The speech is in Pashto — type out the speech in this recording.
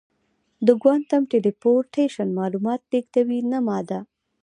د کوانټم ټیلیپورټیشن معلومات لېږدوي نه ماده.